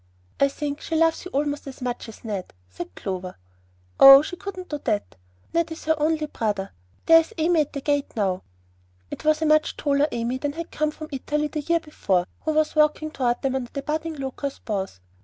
"I think she loves you almost as much as Ned," said Clover. "Oh, she couldn't do that; Ned is her only brother. There is Amy at the gate now." It was a much taller Amy than had come home from Italy the year before who was walking toward them under the budding locust boughs.